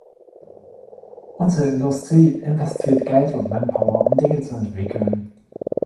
Unsere Industrie investiert Geld und Manpower, um Dinge zu entwickeln.